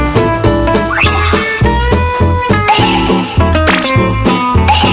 กินล้าง